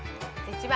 １番。